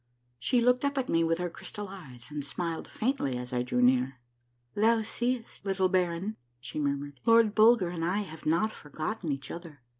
She looked up at me with her crystal eyes, and smiled faintly as I drew near. " Thou seest, little baron," she murmured, " Lord Bulger and I have not forgotten each other."